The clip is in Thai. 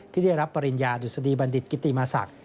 ที่ได้รับปริญญาดุษฎีบัณฑิตกิติมศักดิ์